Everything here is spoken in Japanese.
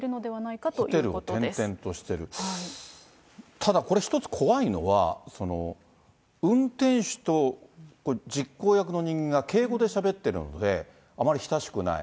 ただこれ、一つ怖いのは、運転手と実行役の人間が敬語でしゃべってるので、あまり親しくない。